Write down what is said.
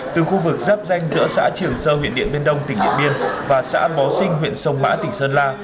từ khu vực dắp danh giữa xã triềng sơ huyện điện biên đông tỉnh điện biên và xã bó sinh huyện sông mã tỉnh sơn la